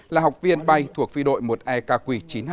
là học viên bay thuộc phi đội một e kq chín trăm hai mươi